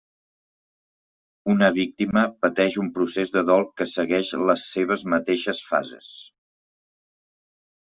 Una víctima pateix un procés de dol que segueix les seves mateixes fases.